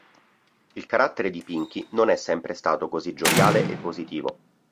Il carattere di Pinkie non è sempre stato così gioviale e positivo.